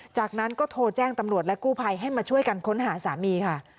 จากนั้นก็โทรแจ้งตำรวจและกู้ภัยให้มาช่วยกันค้นหาสามีค่ะ